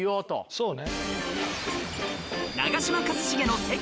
そうね。